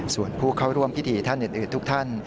ส่วนผู้เข้าร่วมพิธีท่านอื่นทุกท่าน